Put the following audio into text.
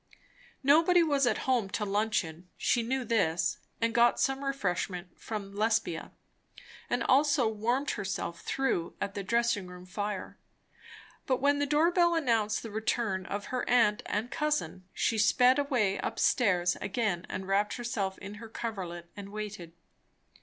Nobody was at home to luncheon. She knew this, and got some refreshment from Lesbia, and also warmed herself through at the dressing room fire. But when the door bell announced the return of her aunt and cousin, she sped away up stairs again and wrapped herself in her coverlet, and waited.